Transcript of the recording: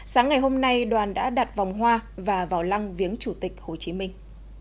sáng ngày hôm nay đoàn đã đặt vòng hoa và vào lăng viếng chủ tịch hồ chí minh